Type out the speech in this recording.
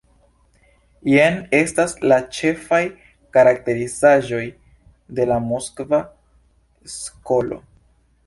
Jen estas la ĉefaj karakterizaĵoj de la Moskva skolo.